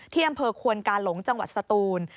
ที่อำเภอควนกาหลงจังหวัดสตูน